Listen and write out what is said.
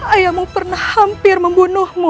ayahmu pernah hampir membunuhmu